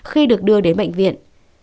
khi được đưa đến bệnh viện